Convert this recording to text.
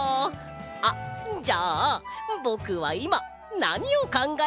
あっじゃあぼくはいまなにをかんがえてるでしょうか！？